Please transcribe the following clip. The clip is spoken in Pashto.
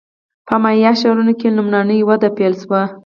په مایا ښارونو کې لومړنۍ وده پیل شوه